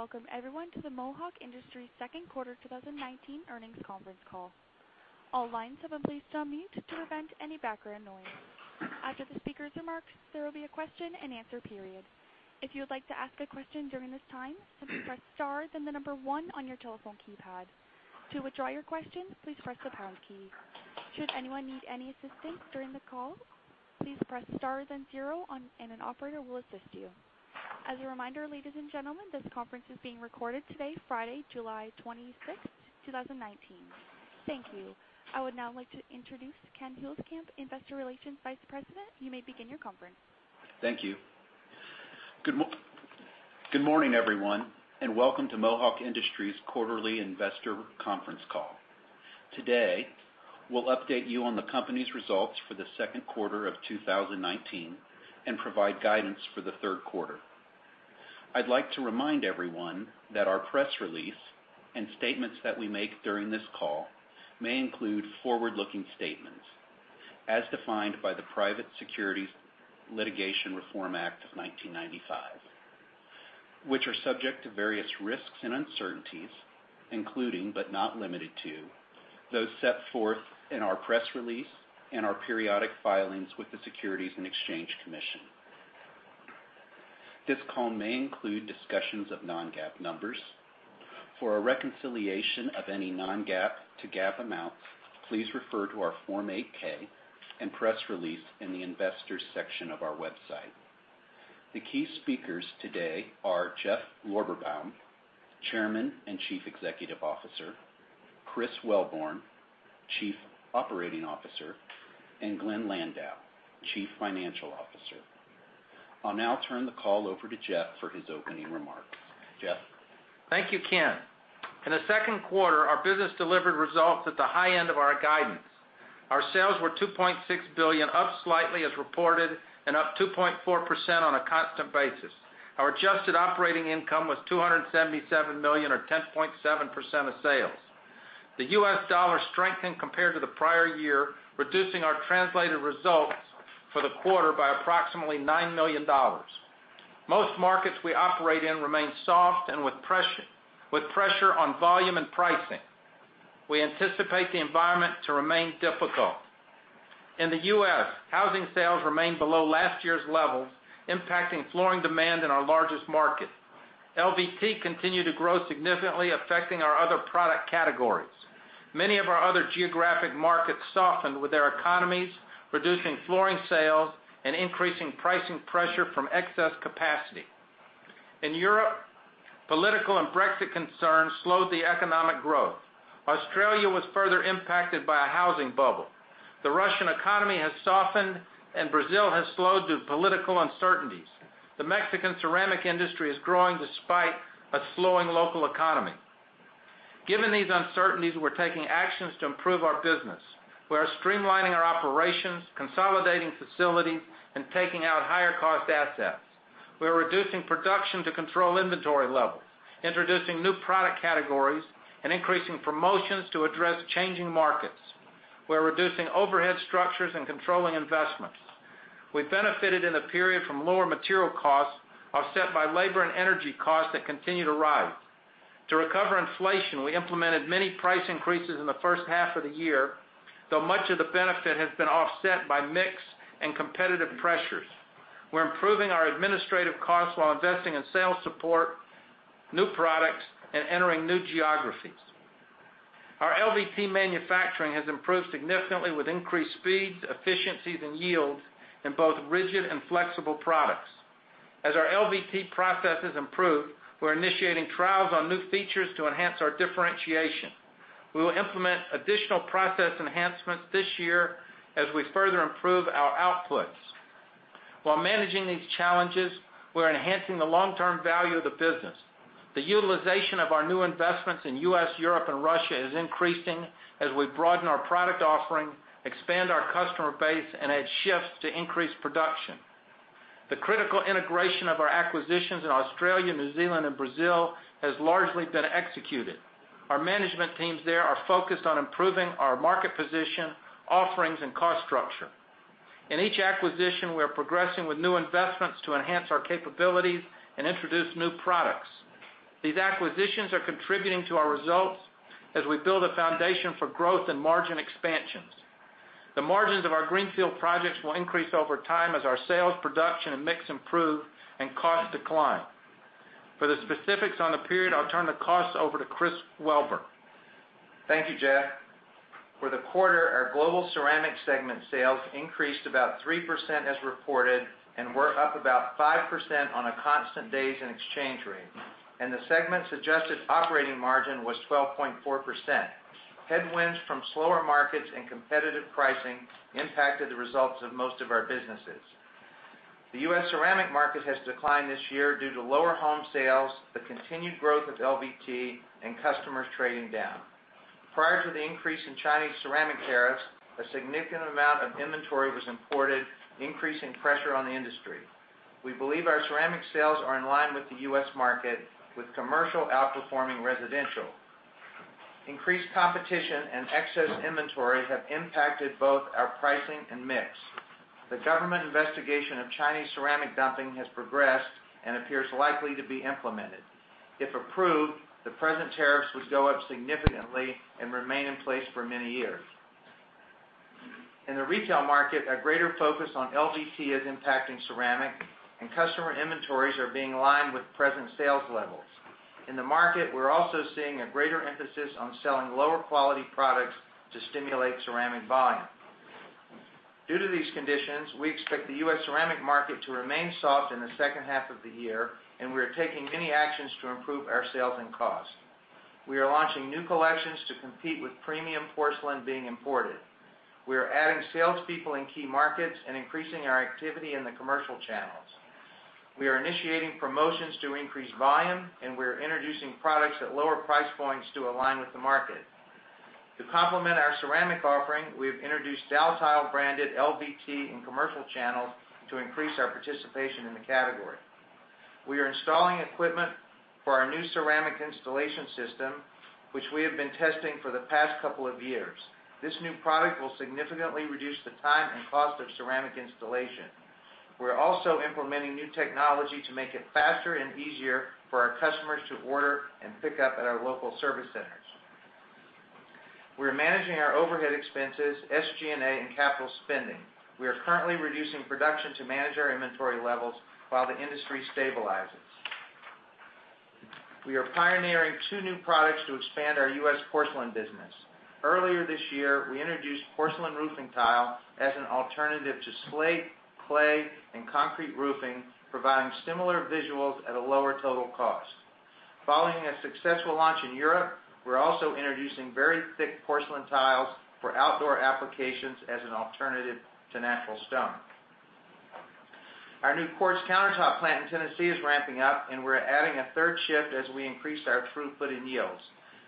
To welcome everyone to the Mohawk Industries second quarter 2019 earnings conference call. All lines have been placed on mute to prevent any background noise. After the speakers' remarks, there will be a question-and-answer period. If you would like to ask a question during this time, simply press star then the number one on your telephone keypad. To withdraw your question, please press the pound key. Should anyone need any assistance during the call, please press star then zero and an operator will assist you. As a reminder, ladies and gentlemen, this conference is being recorded today, Friday, July 26th, 2019. Thank you. I would now like to introduce Ken Huelskamp, Investor Relations Vice President. You may begin your conference. Thank you. Good morning, everyone, and welcome to Mohawk Industries quarterly investor conference call. Today, we'll update you on the company's results for the second quarter of 2019 and provide guidance for the third quarter. I'd like to remind everyone that our press release and statements that we make during this call may include forward-looking statements as defined by the Private Securities Litigation Reform Act of 1995, which are subject to various risks and uncertainties, including, but not limited to, those set forth in our press release and our periodic filings with the Securities and Exchange Commission. This call may include discussions of non-GAAP numbers. For a reconciliation of any non-GAAP to GAAP amounts, please refer to our Form 8-K and press release in the investors section of our website. The key speakers today are Jeff Lorberbaum, Chairman and Chief Executive Officer, Chris Wellborn, Chief Operating Officer, and Glenn Landau, Chief Financial Officer. I'll now turn the call over to Jeff for his opening remarks. Jeff? Thank you, Ken. In the second quarter, our business delivered results at the high end of our guidance. Our sales were $2.6 billion, up slightly as reported, and up 2.4% on a constant basis. Our adjusted operating income was $277 million, or 10.7% of sales. The U.S. dollar strengthened compared to the prior year, reducing our translated results for the quarter by approximately $9 million. Most markets we operate in remain soft and with pressure on volume and pricing. We anticipate the environment to remain difficult. In the U.S., housing sales remained below last year's levels, impacting flooring demand in our largest market. LVT continued to grow, significantly affecting our other product categories. Many of our other geographic markets softened with their economies, reducing flooring sales and increasing pricing pressure from excess capacity. In Europe, political and Brexit concerns slowed the economic growth. Australia was further impacted by a housing bubble. The Russian economy has softened, and Brazil has slowed due to political uncertainties. The Mexican ceramic industry is growing despite a slowing local economy. Given these uncertainties, we're taking actions to improve our business. We are streamlining our operations, consolidating facilities, and taking out higher-cost assets. We are reducing production to control inventory levels, introducing new product categories, and increasing promotions to address changing markets. We're reducing overhead structures and controlling investments. We benefited in the period from lower material costs offset by labor and energy costs that continue to rise. To recover inflation, we implemented many price increases in the first half of the year, though much of the benefit has been offset by mix and competitive pressures. We're improving our administrative costs while investing in sales support, new products, and entering new geographies. Our LVT manufacturing has improved significantly with increased speeds, efficiencies, and yields in both rigid and flexible products. As our LVT processes improve, we're initiating trials on new features to enhance our differentiation. We will implement additional process enhancements this year as we further improve our outputs. While managing these challenges, we're enhancing the long-term value of the business. The utilization of our new investments in U.S., Europe, and Russia is increasing as we broaden our product offering, expand our customer base, and add shifts to increase production. The critical integration of our acquisitions in Australia, New Zealand, and Brazil has largely been executed. Our management teams there are focused on improving our market position, offerings, and cost structure. In each acquisition, we are progressing with new investments to enhance our capabilities and introduce new products. These acquisitions are contributing to our results as we build a foundation for growth and margin expansions. The margins of our greenfield projects will increase over time as our sales, production, and mix improve and costs decline. For the specifics on the period, I'll turn the call over to Chris Wellborn. Thank you, Jeff. For the quarter, our Global Ceramic segment sales increased about 3% as reported and were up about 5% on a constant days and exchange rate, and the segment's adjusted operating margin was 12.4%. Headwinds from slower markets and competitive pricing impacted the results of most of our businesses. The U.S. ceramic market has declined this year due to lower home sales, the continued growth of LVT, and customers trading down. Prior to the increase in Chinese ceramic tariffs, a significant amount of inventory was imported, increasing pressure on the industry. We believe our ceramic sales are in line with the U.S. market, with commercial outperforming residential. Increased competition and excess inventory have impacted both our pricing and mix. The government investigation of Chinese ceramic dumping has progressed and appears likely to be implemented. If approved, the present tariffs would go up significantly and remain in place for many years. In the retail market, a greater focus on LVT is impacting ceramic, and customer inventories are being aligned with present sales levels. In the market, we're also seeing a greater emphasis on selling lower-quality products to stimulate ceramic volume. Due to these conditions, we expect the U.S. ceramic market to remain soft in the second half of the year, and we are taking many actions to improve our sales and costs. We are launching new collections to compete with premium porcelain being imported. We are adding salespeople in key markets and increasing our activity in the commercial channels. We are initiating promotions to increase volume, and we're introducing products at lower price points to align with the market. To complement our ceramic offering, we have introduced Daltile-branded LVT and commercial channels to increase our participation in the category. We are installing equipment for our new ceramic installation system, which we have been testing for the past couple of years. This new product will significantly reduce the time and cost of ceramic installation. We're also implementing new technology to make it faster and easier for our customers to order and pick up at our local service centers. We're managing our overhead expenses, SG&A, and capital spending. We are currently reducing production to manage our inventory levels while the industry stabilizes. We are pioneering two new products to expand our U.S. porcelain business. Earlier this year, we introduced porcelain roofing tile as an alternative to slate, clay, and concrete roofing, providing similar visuals at a lower total cost. Following a successful launch in Europe, we're also introducing very thick porcelain tiles for outdoor applications as an alternative to natural stone. Our new quartz countertop plant in Tennessee is ramping up, and we're adding a third shift as we increase our throughput and yields.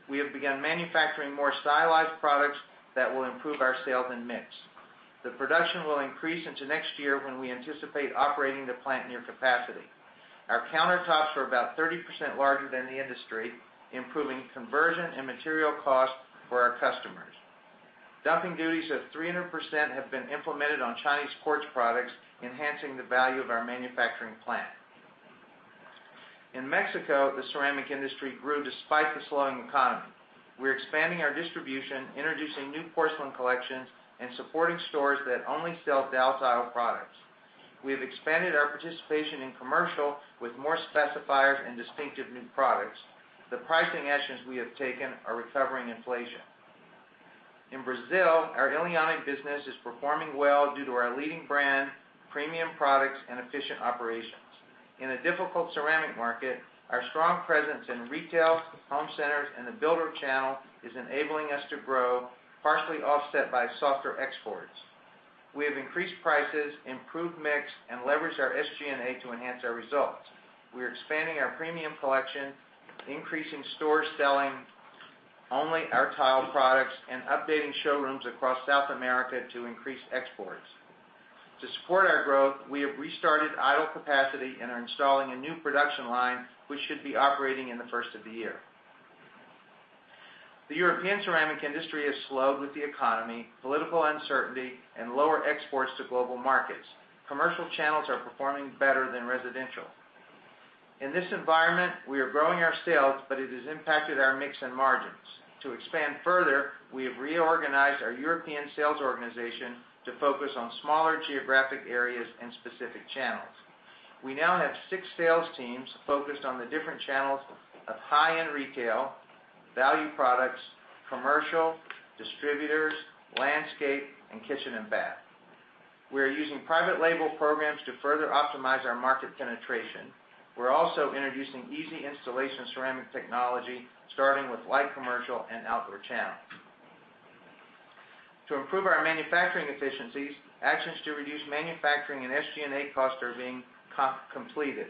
We have begun manufacturing more stylized products that will improve our sales and mix. The production will increase into next year when we anticipate operating the plant near capacity. Our countertops are about 30% larger than the industry, improving conversion and material cost for our customers. Dumping duties of 300% have been implemented on Chinese quartz products, enhancing the value of our manufacturing plant. In Mexico, the ceramic industry grew despite the slowing economy. We're expanding our distribution, introducing new porcelain collections, and supporting stores that only sell Daltile products. We have expanded our participation in commercial with more specifiers and distinctive new products. The pricing actions we have taken are recovering inflation. In Brazil, our Eliane business is performing well due to our leading brand, premium products, and efficient operations. In a difficult ceramic market, our strong presence in retail, home centers, and the builder channel is enabling us to grow, partially offset by softer exports. We have increased prices, improved mix, and leveraged our SG&A to enhance our results. We are expanding our premium collection, increasing stores selling only our tile products, and updating showrooms across South America to increase exports. To support our growth, we have restarted idle capacity and are installing a new production line, which should be operating in the first of the year. The European ceramic industry has slowed with the economy, political uncertainty, and lower exports to global markets. Commercial channels are performing better than residential. In this environment, we are growing our sales, but it has impacted our mix and margins. To expand further, we have reorganized our European sales organization to focus on smaller geographic areas and specific channels. We now have six sales teams focused on the different channels of high-end retail, value products, commercial, distributors, landscape, and kitchen and bath. We are using private label programs to further optimize our market penetration. We're also introducing easy installation ceramic technology, starting with light commercial and outdoor channels. To improve our manufacturing efficiencies, actions to reduce manufacturing and SG&A costs are being completed.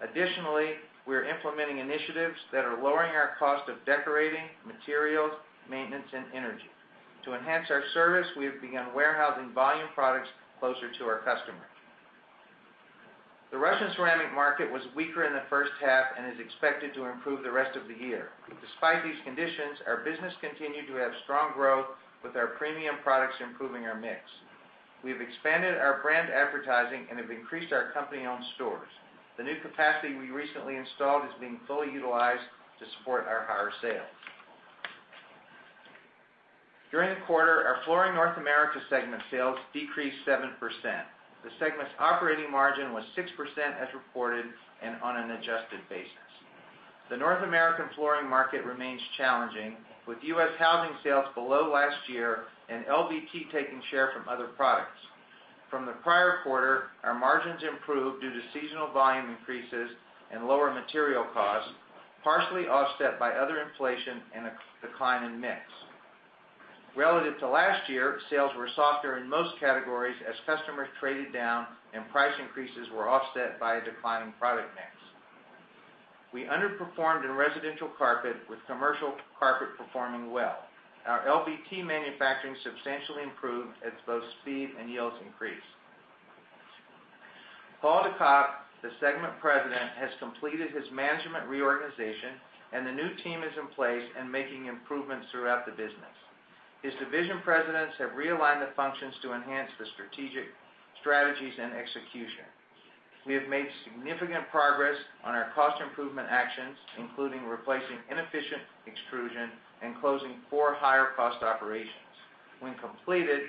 Additionally, we're implementing initiatives that are lowering our cost of decorating, materials, maintenance, and energy. To enhance our service, we have begun warehousing volume products closer to our customers. The Russian ceramic market was weaker in the first half and is expected to improve the rest of the year. Despite these conditions, our business continued to have strong growth with our premium products improving our mix. We have expanded our brand advertising and have increased our company-owned stores. The new capacity we recently installed is being fully utilized to support our higher sales. During the quarter, our Flooring North America segment sales decreased 7%. The segment's operating margin was 6% as reported and on an adjusted basis. The North American flooring market remains challenging, with U.S. housing sales below last year and LVT taking share from other products. From the prior quarter, our margins improved due to seasonal volume increases and lower material costs, partially offset by other inflation and a decline in mix. Relative to last year, sales were softer in most categories as customers traded down and price increases were offset by a decline in product mix. We underperformed in residential carpet, with commercial carpet performing well. Our LVT manufacturing substantially improved as both speed and yields increased. Paul De Cock, the segment President, has completed his management reorganization, and the new team is in place and making improvements throughout the business. His division presidents have realigned the functions to enhance the strategic strategies and execution. We have made significant progress on our cost improvement actions, including replacing inefficient extrusion and closing four higher-cost operations. When completed,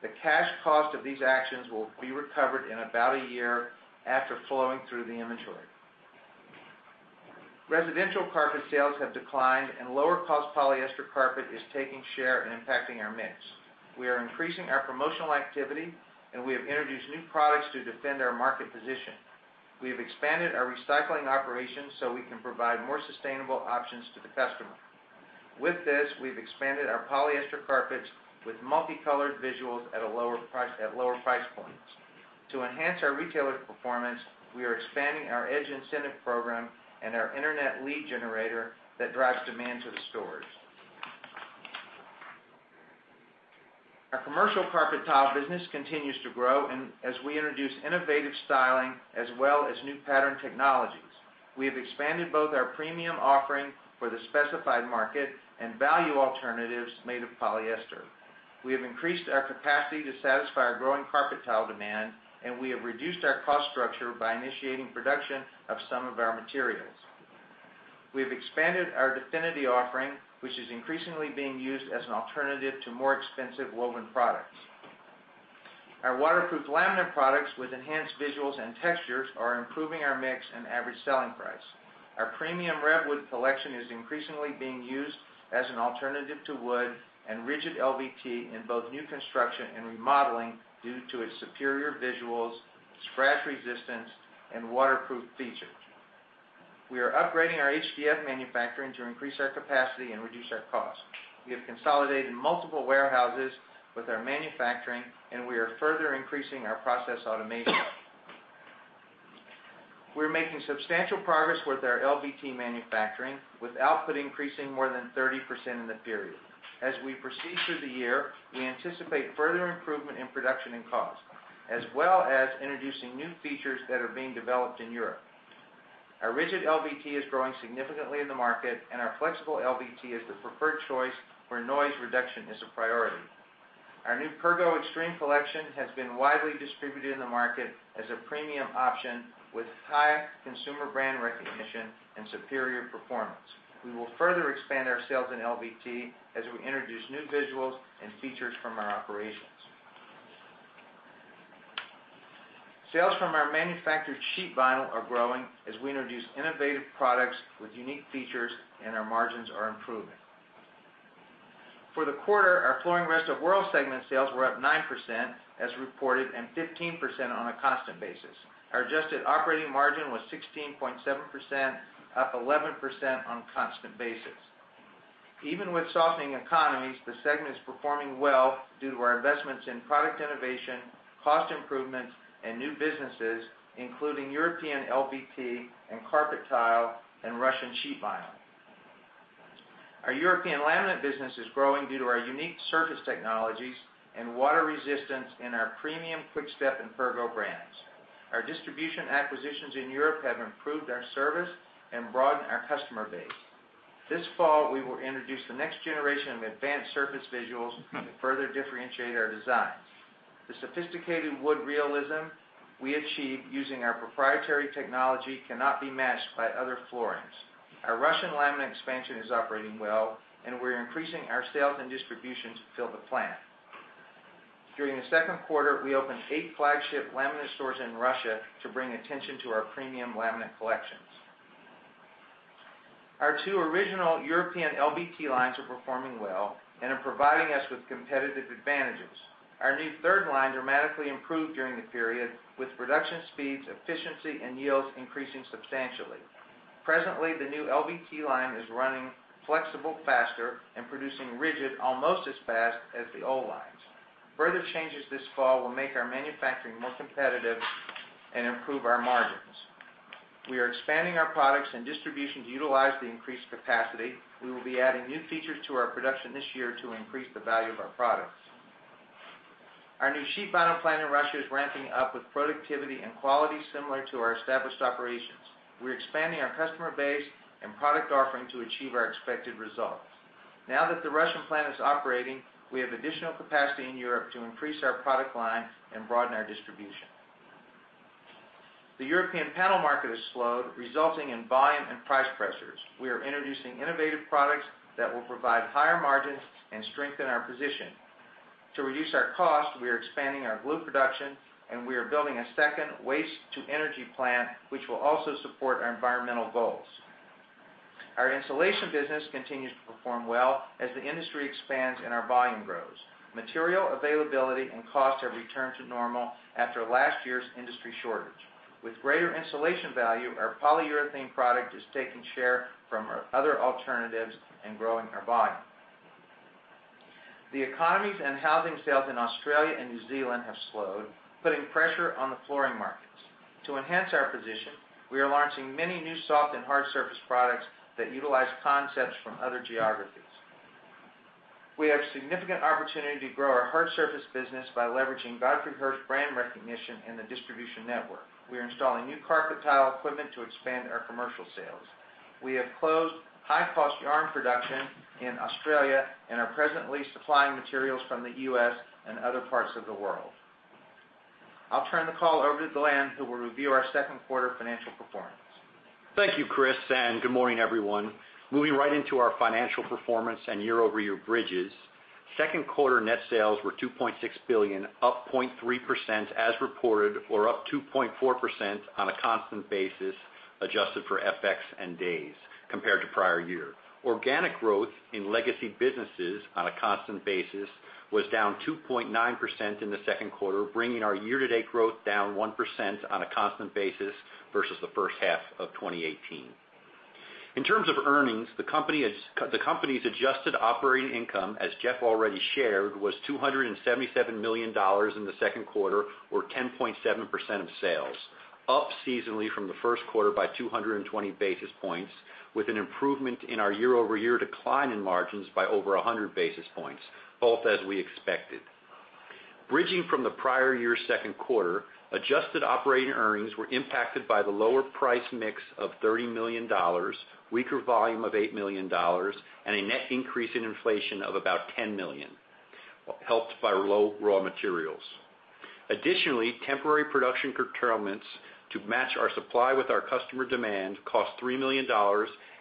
the cash cost of these actions will be recovered in about a year after flowing through the inventory. Residential carpet sales have declined, and lower-cost polyester carpet is taking share and impacting our mix. We are increasing our promotional activity, and we have introduced new products to defend our market position. We have expanded our recycling operations so we can provide more sustainable options to the customer. With this, we've expanded our polyester carpets with multicolored visuals at lower price points. To enhance our retailer performance, we are expanding our Edge incentive program and our internet lead generator that drives demand to the stores. Our commercial carpet tile business continues to grow as we introduce innovative styling as well as new pattern technologies. We have expanded both our premium offering for the specified market and value alternatives made of polyester. We have increased our capacity to satisfy our growing carpet tile demand, and we have reduced our cost structure by initiating production of some of our materials. We have expanded our Definity offering, which is increasingly being used as an alternative to more expensive woven products. Our waterproof laminate products with enhanced visuals and textures are improving our mix and average selling price. Our premium RevWood collection is increasingly being used as an alternative to wood and rigid LVT in both new construction and remodeling due to its superior visuals, scratch resistance, and waterproof features. We are upgrading our HDF manufacturing to increase our capacity and reduce our costs. We have consolidated multiple warehouses with our manufacturing, and we are further increasing our process automation. We're making substantial progress with our LVT manufacturing, with output increasing more than 30% in the period. As we proceed through the year, we anticipate further improvement in production and cost, as well as introducing new features that are being developed in Europe. Our rigid LVT is growing significantly in the market, and our flexible LVT is the preferred choice where noise reduction is a priority. Our new Pergo Extreme collection has been widely distributed in the market as a premium option with high consumer brand recognition and superior performance. We will further expand our sales in LVT as we introduce new visuals and features from our operations. Sales from our manufactured sheet vinyl are growing as we introduce innovative products with unique features, and our margins are improving. For the quarter, our Flooring Rest of World segment sales were up 9% as reported and 15% on a constant basis. Our adjusted operating margin was 16.7%, up 11% on a constant basis. Even with softening economies, the segment is performing well due to our investments in product innovation, cost improvements, and new businesses, including European LVT and carpet tile and Russian sheet vinyl. Our European laminate business is growing due to our unique surface technologies and water resistance in our premium Quick-Step and Pergo brands. Our distribution acquisitions in Europe have improved our service and broadened our customer base. This fall, we will introduce the next generation of advanced surface visuals to further differentiate our designs. The sophisticated wood realism we achieve using our proprietary technology cannot be matched by other floorings. Our Russian laminate expansion is operating well, and we're increasing our sales and distribution to fill the plant. During the second quarter, we opened eight flagship laminate stores in Russia to bring attention to our premium laminate collections. Our two original European LVT lines are performing well and are providing us with competitive advantages. Our new third line dramatically improved during the period, with production speeds, efficiency, and yields increasing substantially. Presently, the new LVT line is running flexible faster and producing rigid almost as fast as the old lines. Further changes this fall will make our manufacturing more competitive and improve our margins. We are expanding our products and distribution to utilize the increased capacity. We will be adding new features to our production this year to increase the value of our products. Our new sheet vinyl plant in Russia is ramping up with productivity and quality similar to our established operations. We're expanding our customer base and product offering to achieve our expected results. Now that the Russian plant is operating, we have additional capacity in Europe to increase our product line and broaden our distribution. The European panel market has slowed, resulting in volume and price pressures. We are introducing innovative products that will provide higher margins and strengthen our position. To reduce our cost, we are expanding our glue production, and we are building a second waste-to-energy plant, which will also support our environmental goals. Our insulation business continues to perform well as the industry expands and our volume grows. Material availability and cost have returned to normal after last year's industry shortage. With greater insulation value, our polyurethane product is taking share from other alternatives and growing our volume. The economies and housing sales in Australia and New Zealand have slowed, putting pressure on the flooring markets. To enhance our position, we are launching many new soft and hard surface products that utilize concepts from other geographies. We have significant opportunity to grow our hard surface business by leveraging Godfrey Hirst brand recognition and the distribution network. We are installing new carpet tile equipment to expand our commercial sales. We have closed high-cost yarn production in Australia and are presently supplying materials from the U.S. and other parts of the world. I'll turn the call over to Glenn, who will review our second quarter financial performance. Thank you, Chris. Good morning, everyone. Moving right into our financial performance and year-over-year bridges. Second quarter net sales were $2.6 billion, up 0.3% as reported or up 2.4% on a constant basis, adjusted for FX and days compared to prior year. Organic growth in legacy businesses on a constant basis was down 2.9% in the second quarter, bringing our year-to-date growth down 1% on a constant basis versus the first half of 2018. In terms of earnings, the company's adjusted operating income, as Jeff already shared, was $277 million in the second quarter or 10.7% of sales, up seasonally from the first quarter by 220 basis points, with an improvement in our year-over-year decline in margins by over 100 basis points, both as we expected. Bridging from the prior year's second quarter, adjusted operating earnings were impacted by the lower price mix of $30 million, weaker volume of $8 million, and a net increase in inflation of about $10 million, helped by low raw materials. Additionally, temporary production curtailments to match our supply with our customer demand cost $3 million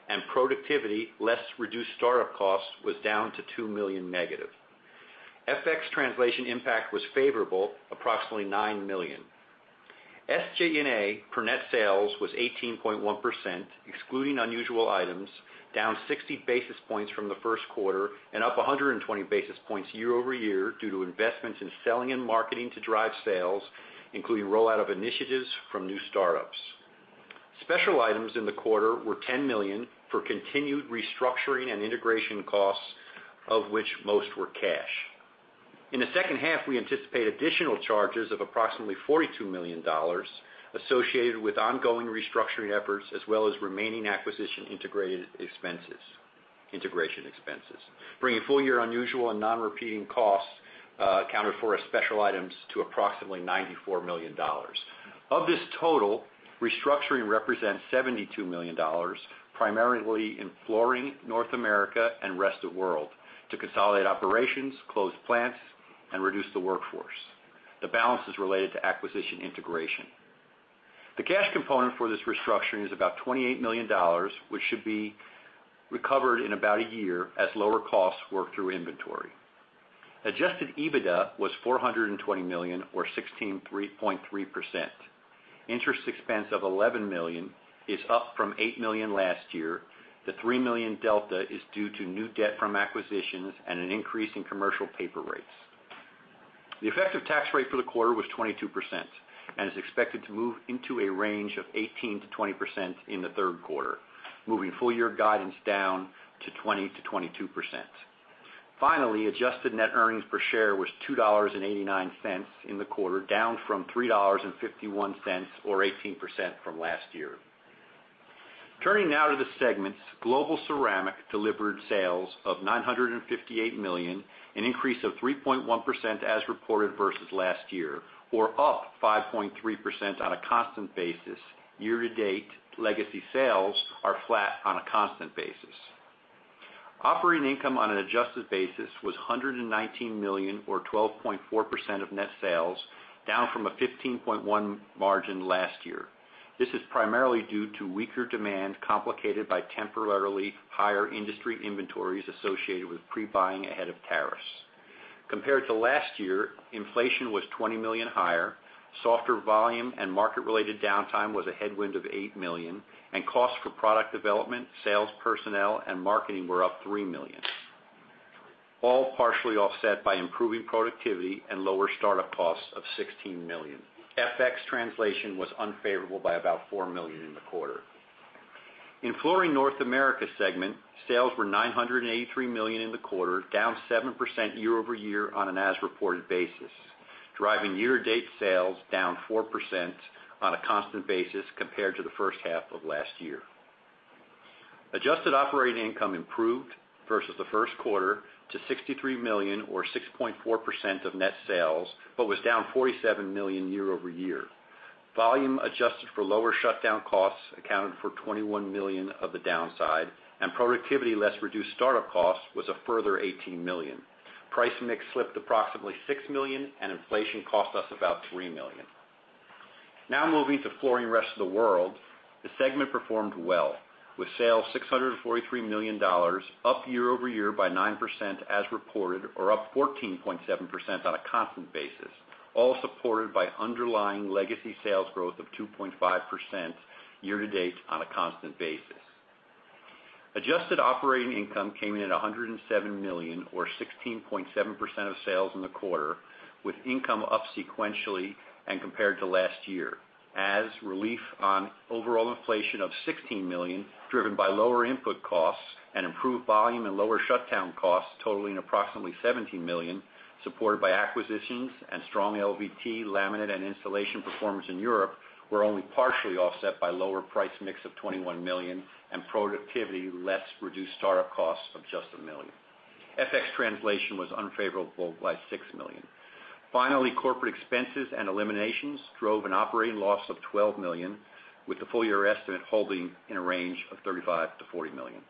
and productivity less reduced startup costs was down to -$2 million. FX translation impact was favorable, approximately $9 million. SG&A for net sales was 18.1%, excluding unusual items, down 60 basis points from the first quarter and up 120 basis points year-over-year due to investments in selling and marketing to drive sales, including rollout of initiatives from new startups. Special items in the quarter were $10 million for continued restructuring and integration costs, of which most were cash. In the second half, we anticipate additional charges of approximately $42 million associated with ongoing restructuring efforts as well as remaining acquisition integration expenses. Bringing full-year unusual and non-repeating costs accounted for as special items to approximately $94 million. Of this total, restructuring represents $72 million, primarily in Flooring North America and Rest of World to consolidate operations, close plants and reduce the workforce. The balance is related to acquisition integration. The cash component for this restructuring is about $28 million, which should be recovered in about a year as lower costs work through inventory. Adjusted EBITDA was $420 million, or 16.3%. Interest expense of $11 million is up from $8 million last year. The $3 million delta is due to new debt from acquisitions and an increase in commercial paper rates. The effective tax rate for the quarter was 22% and is expected to move into a range of 18%-20% in the third quarter, moving full-year guidance down to 20%-22%. Finally, adjusted net earnings per share was $2.89 in the quarter, down from $3.51 or 18% from last year. Turning now to the segments. Global Ceramic delivered sales of $958 million, an increase of 3.1% as reported versus last year, or up 5.3% on a constant basis. Year-to-date, legacy sales are flat on a constant basis. Operating income on an adjusted basis was $119 million, or 12.4% of net sales, down from a 15.1% margin last year. This is primarily due to weaker demand, complicated by temporarily higher industry inventories associated with pre-buying ahead of tariffs. Compared to last year, inflation was $20 million higher, softer volume and market-related downtime was a headwind of $8 million, and costs for product development, sales personnel, and marketing were up $3 million. All partially offset by improving productivity and lower startup costs of $16 million. FX translation was unfavorable by about $4 million in the quarter. In Flooring North America segment, sales were $983 million in the quarter, down 7% year-over-year on an as-reported basis, driving year-to-date sales down 4% on a constant basis compared to the first half of last year. Adjusted operating income improved versus the first quarter to $63 million or 6.4% of net sales, but was down $47 million year-over-year. Volume adjusted for lower shutdown costs accounted for $21 million of the downside, and productivity less reduced startup costs was a further $18 million. Price mix slipped approximately $6 million, and inflation cost us about $3 million. Now moving to Flooring Rest of World. The segment performed well with sales $643 million, up year-over-year by 9% as reported or up 14.7% on a constant basis, all supported by underlying legacy sales growth of 2.5% year-to-date on a constant basis. Adjusted operating income came in at $107 million or 16.7% of sales in the quarter, with income up sequentially and compared to last year as relief on overall inflation of $16 million driven by lower input costs and improved volume and lower shutdown costs totaling approximately $17 million, supported by acquisitions and strong LVT, laminate and installation performance in Europe were only partially offset by lower price mix of $21 million and productivity less reduced startup costs of just $1 million. FX translation was unfavorable by $6 million. Corporate expenses and eliminations drove an operating loss of $12 million with the full-year estimate holding in a range of $35 million-$40 million.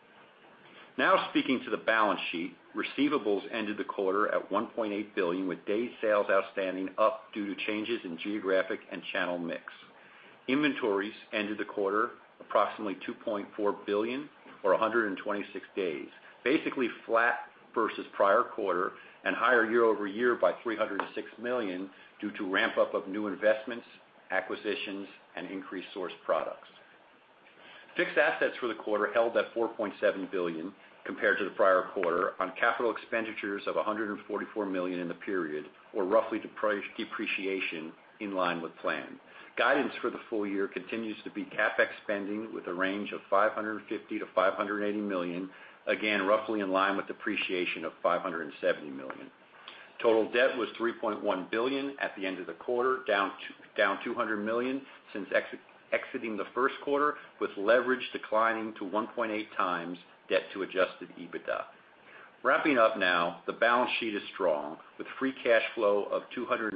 Speaking to the balance sheet, receivables ended the quarter at $1.8 billion, with DSO up due to changes in geographic and channel mix. Inventories ended the quarter approximately $2.4 billion or 126 days, basically flat versus prior quarter and higher year-over-year by $306 million due to ramp-up of new investments, acquisitions, and increased sourced products. Fixed assets for the quarter held at $4.7 billion compared to the prior quarter on CapEx of $144 million in the period, or roughly depreciation in line with plan. Guidance for the full-year continues to be CapEx spending with a range of $550 million-$580 million, again, roughly in line with depreciation of $570 million. Total debt was $3.1 billion at the end of the quarter, down $200 million since exiting the first quarter, with leverage declining to 1.8x debt to adjusted EBITDA. Wrapping up now, the balance sheet is strong, with free cash flow of $252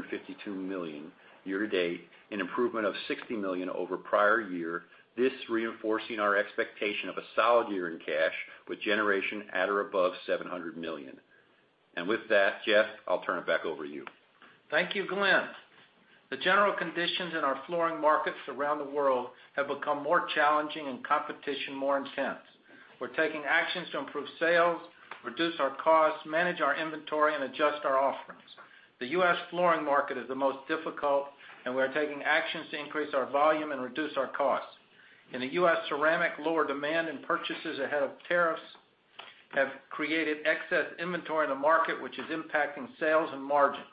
million year-to-date, an improvement of $60 million over prior year, this reinforcing our expectation of a solid year in cash with generation at or above $700 million. With that, Jeff, I'll turn it back over to you. Thank you, Glenn. The general conditions in our flooring markets around the world have become more challenging and competition more intense. We're taking actions to improve sales, reduce our costs, manage our inventory, and adjust our offerings. The U.S. flooring market is the most difficult, and we are taking actions to increase our volume and reduce our costs. In the U.S. ceramic, lower demand and purchases ahead of tariffs have created excess inventory in the market, which is impacting sales and margins.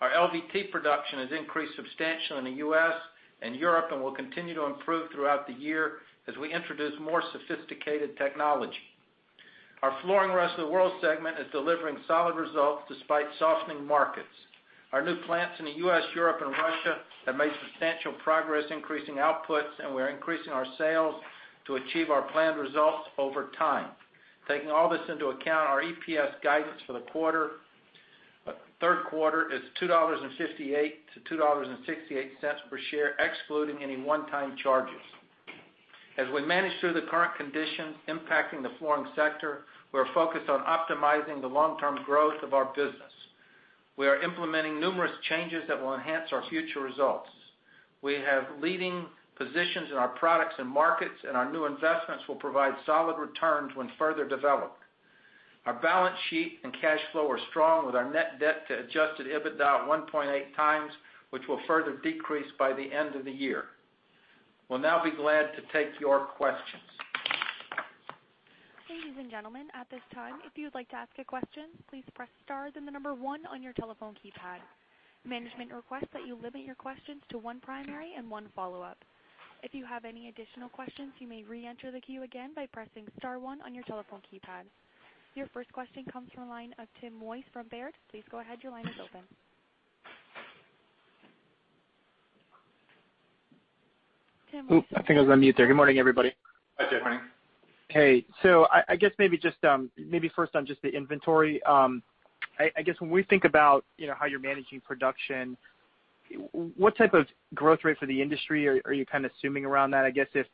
Our LVT production has increased substantially in the U.S. and Europe and will continue to improve throughout the year as we introduce more sophisticated technology. Our Flooring Rest of World segment is delivering solid results despite softening markets. Our new plants in the U.S., Europe, and Russia have made substantial progress increasing outputs, and we're increasing our sales to achieve our planned results over time. Taking all this into account, our EPS guidance for the third quarter is $2.58-$2.68 per share, excluding any one-time charges. As we manage through the current conditions impacting the flooring sector, we're focused on optimizing the long-term growth of our business. We are implementing numerous changes that will enhance our future results. We have leading positions in our products and markets, and our new investments will provide solid returns when further developed. Our balance sheet and cash flow are strong, with our net debt to adjusted EBITDA at 1.8x, which will further decrease by the end of the year. We'll now be glad to take your questions. Ladies and gentlemen, at this time, if you'd like to ask a question, please press star then the number 1 on your telephone keypad. Management requests that you limit your questions to one primary and one follow-up. If you have any additional questions, you may reenter the queue again by pressing star one on your telephone keypad. Your first question comes from the line of Tim Wojs from Baird. Please go ahead, your line is open. Ooh, I think I was on mute there. Good morning, everybody. Hi, Tim. Morning. Hey. I guess maybe first on just the inventory. I guess when we think about how you're managing production, what type of growth rate for the industry are you kind of assuming around that? I guess if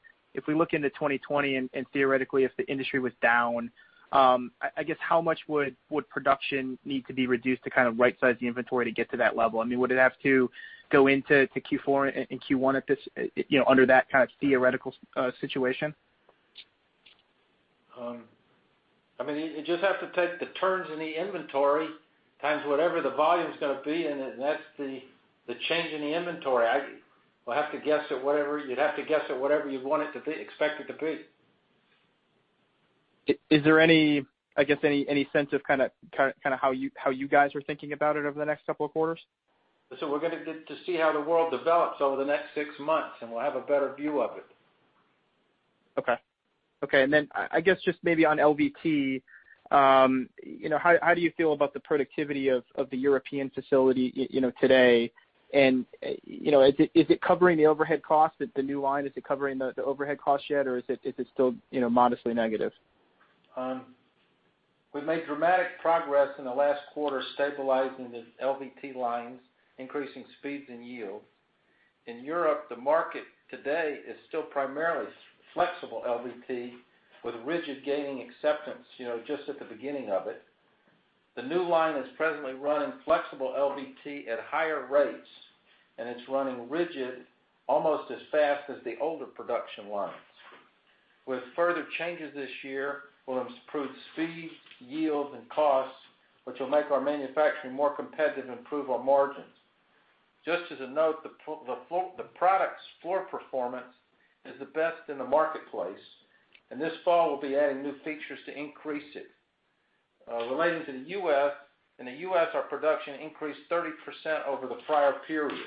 we look into 2020 and theoretically if the industry was down, I guess how much would production need to be reduced to kind of right-size the inventory to get to that level? Would it have to go into Q4 and Q1 under that kind of theoretical situation? You just have to take the turns in the inventory times whatever the volume's going to be, and then that's the change in the inventory. You'd have to guess at whatever you want it to be, expect it to be. Is there any sense of how you guys are thinking about it over the next couple of quarters? We're going to see how the world develops over the next six months, and we'll have a better view of it. Okay. I guess just maybe on LVT, how do you feel about the productivity of the European facility today? Is it covering the overhead cost at the new line? Is it covering the overhead cost yet, or is it still modestly negative? We've made dramatic progress in the last quarter stabilizing the LVT lines, increasing speeds and yields. In Europe, the market today is still primarily flexible LVT, with rigid gaining acceptance, just at the beginning of it. The new line is presently running flexible LVT at higher rates, and it's running rigid almost as fast as the older production lines. With further changes this year, we'll improve speed, yield, and costs, which will make our manufacturing more competitive and improve our margins. Just as a note, the product's floor performance is the best in the marketplace. In this fall, we'll be adding new features to increase it. Relating to the U.S., in the U.S., our production increased 30% over the prior period.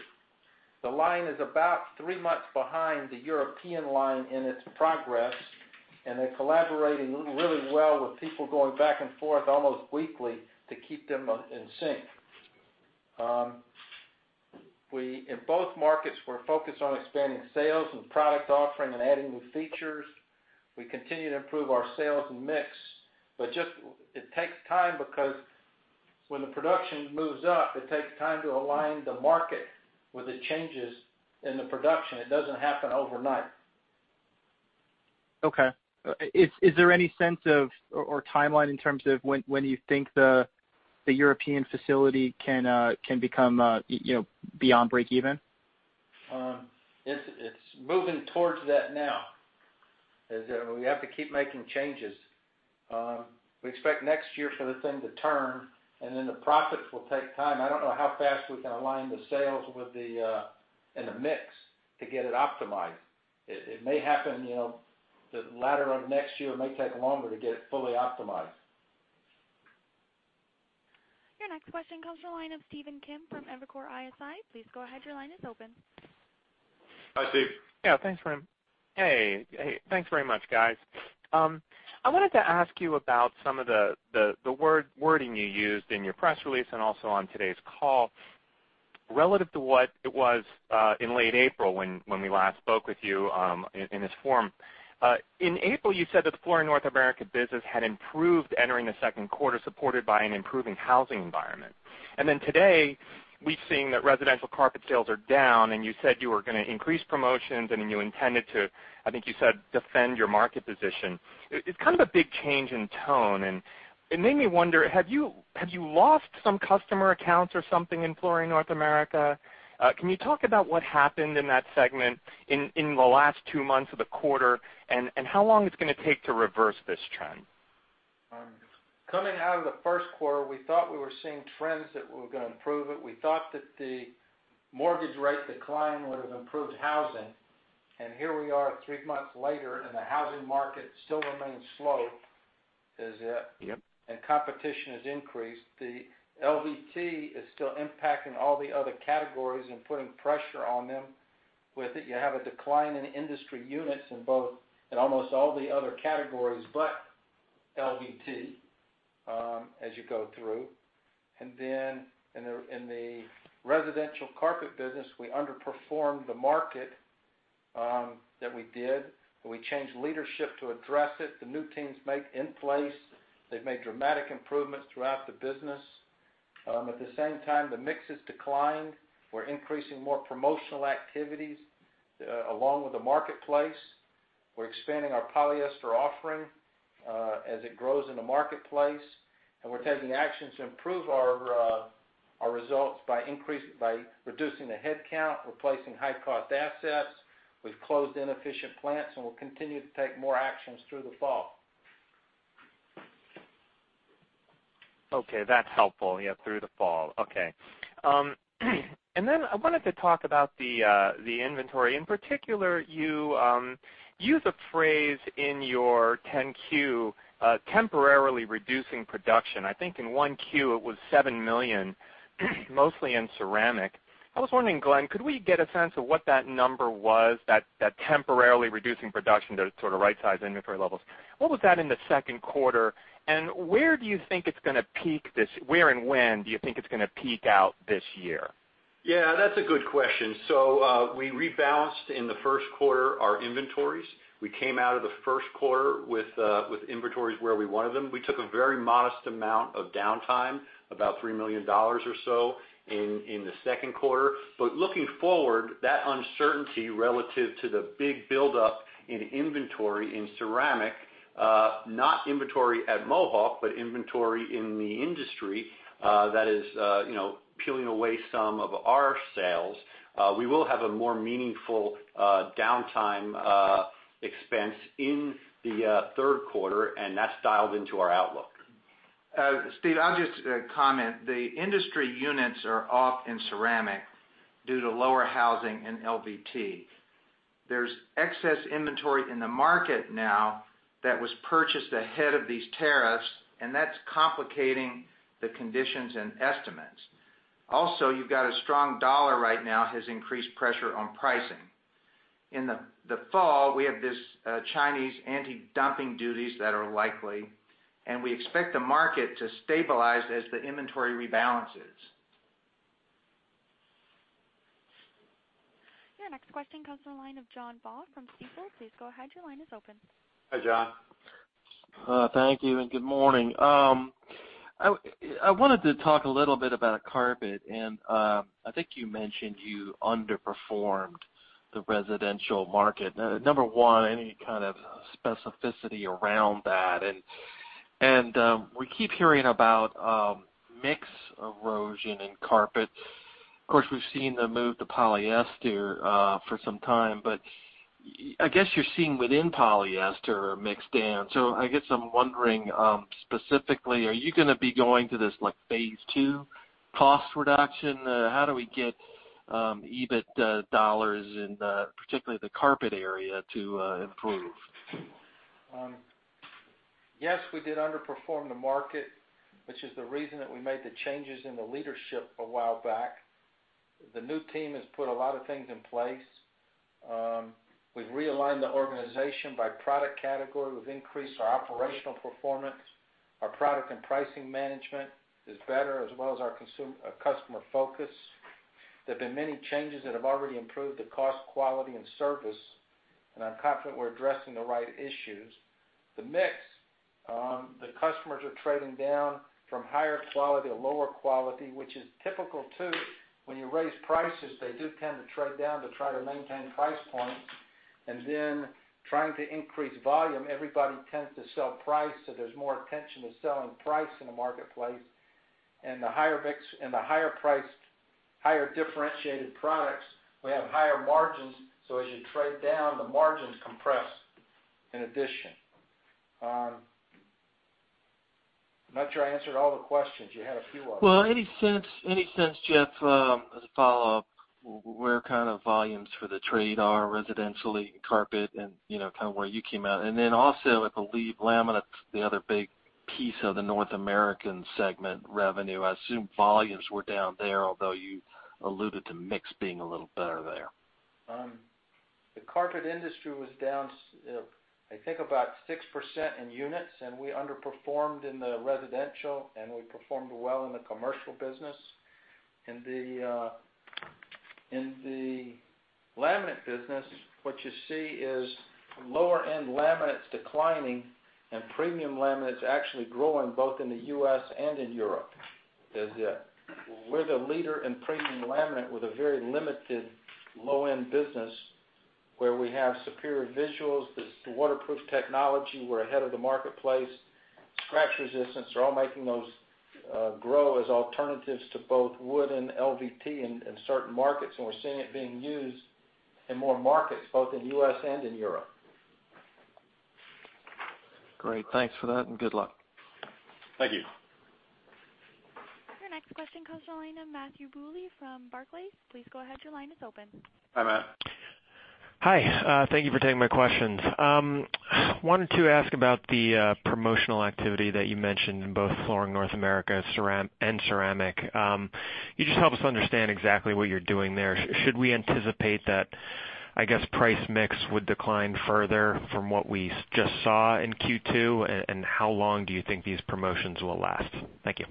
The line is about three months behind the European line in its progress. They're collaborating really well with people going back and forth almost weekly to keep them in sync. In both markets, we're focused on expanding sales and product offering and adding new features. We continue to improve our sales and mix. It takes time because when the production moves up, it takes time to align the market with the changes in the production. It doesn't happen overnight. Okay. Is there any sense of, or timeline in terms of when you think the European facility can be on break even? It's moving towards that now, is that we have to keep making changes. We expect next year for the thing to turn. The profits will take time. I don't know how fast we can align the sales and the mix to get it optimized. It may happen the latter of next year. It may take longer to get it fully optimized. Your next question comes from the line of Stephen Kim from Evercore ISI. Please go ahead, your line is open. Hi, Stephen. Thanks, Jeff. Hey. Thanks very much, guys. I wanted to ask you about some of the wording you used in your press release and also on today's call, relative to what it was in late April when we last spoke with you, in this forum. In April, you said that the Flooring North America business had improved entering the second quarter, supported by an improving housing environment. Today we've seen that residential carpet sales are down, and you said you were going to increase promotions and then you intended to, I think you said, defend your market position. It's kind of a big change in tone, and it made me wonder, have you lost some customer accounts or something in Flooring North America? Can you talk about what happened in that segment in the last two months of the quarter, and how long it's going to take to reverse this trend? Coming out of the first quarter, we thought we were seeing trends that were going to improve it. We thought that the mortgage rate decline would have improved housing. Here we are three months later, and the housing market still remains slow, is it? Yep. Competition has increased. The LVT is still impacting all the other categories and putting pressure on them. With it, you have a decline in industry units in almost all the other categories, but LVT, as you go through. Then in the residential carpet business, we underperformed the market that we did. We changed leadership to address it. The new team's made in place. They've made dramatic improvements throughout the business. At the same time, the mix has declined. We're increasing more promotional activities along with the marketplace. We're expanding our polyester offering as it grows in the marketplace. We're taking actions to improve our results by reducing the headcount, replacing high-cost assets. We've closed inefficient plants, and we'll continue to take more actions through the fall. Okay, that's helpful. Yeah, through the fall. Okay. I wanted to talk about the inventory. In particular, you use a phrase in your 10-Q, temporarily reducing production. I think in 1Q, it was $7 million, mostly in ceramic. I was wondering, Glenn, could we get a sense of what that number was, that temporarily reducing production to sort of right-size inventory levels. What was that in the second quarter, and where and when do you think it's going to peak out this year? Yeah, that's a good question. We rebalanced in the first quarter our inventories. We came out of the first quarter with inventories where we wanted them. We took a very modest amount of downtime, about $3 million or so in the second quarter. Looking forward, that uncertainty relative to the big buildup in inventory in ceramic, not inventory at Mohawk, but inventory in the industry, that is peeling away some of our sales. We will have a more meaningful downtime expense in the third quarter, and that's dialed into our outlook. Stephen, I'll just comment. The industry units are off in ceramic due to lower housing and LVT. There's excess inventory in the market now that was purchased ahead of these tariffs, and that's complicating the conditions and estimates. Also, you've got a strong dollar right now, has increased pressure on pricing. In the fall, we have these Chinese anti-dumping duties that are likely, and we expect the market to stabilize as the inventory rebalances. Your next question comes from the line of John Baugh from Stifel. Please go ahead, your line is open. Hi, John. Thank you and good morning. I wanted to talk a little bit about carpet, and I think you mentioned you underperformed the residential market. Number one, any kind of specificity around that? We keep hearing about mix erosion in carpet. Of course, we've seen the move to polyester for some time, but I guess you're seeing within polyester mix down. I guess I'm wondering specifically, are you going to be going to this phase II cost reduction? How do we get EBIT dollars in particularly the carpet area to improve? Yes, we did underperform the market, which is the reason that we made the changes in the leadership a while back. The new team has put a lot of things in place. We've realigned the organization by product category. We've increased our operational performance. Our product and pricing management is better, as well as our customer focus. There have been many changes that have already improved the cost, quality, and service, and I'm confident we're addressing the right issues. The mix, the customers are trading down from higher quality to lower quality, which is typical, too. When you raise prices, they do tend to trade down to try to maintain price points. Trying to increase volume, everybody tends to sell price, so there's more attention to selling price in the marketplace. In the higher priced, higher differentiated products, we have higher margins, so as you trade down, the margins compress in addition. I'm not sure I answered all the questions. You had a few of them. Well, any sense, Jeff, as a follow-up, where kind of volumes for the trade are residentially in carpet and kind of where you came out? Then also, I believe laminate's the other big piece of the North American Segment revenue. I assume volumes were down there, although you alluded to mix being a little better there. The carpet industry was down, I think about 6% in units, and we underperformed in the residential, and we performed well in the commercial business. In the laminate business, what you see is lower-end laminate's declining and premium laminate's actually growing both in the U.S. and in Europe. We're the leader in premium laminate with a very limited low-end business where we have superior visuals. There's the waterproof technology. We're ahead of the marketplace. Scratch resistance are all making those grow as alternatives to both wood and LVT in certain markets, and we're seeing it being used in more markets, both in U.S. and in Europe. Great. Thanks for that and good luck. Thank you. Your next question comes on the line of Matthew Bouley from Barclays. Please go ahead, your line is open. Hi, Matt. Hi. Thank you for taking my questions. Wanted to ask about the promotional activity that you mentioned in both Flooring North America and Ceramic. Can you just help us understand exactly what you're doing there? Should we anticipate that, I guess, price mix would decline further from what we just saw in Q2, and how long do you think these promotions will last? Thank you.